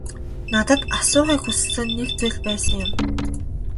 Надад асуухыг хүссэн нэг зүйл байсан юм.